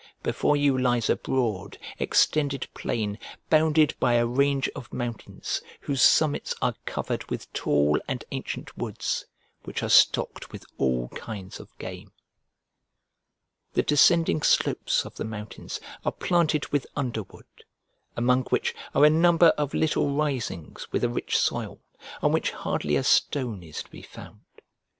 Before you lies a broad, extended plain bounded by a range of mountains, whose summits are covered with tall and ancient woods, which are stocked with all kinds of game. The descending slopes of the mountains are planted with underwood, among which are a number of little risings with a rich soil, on which hardly a stone is to be found.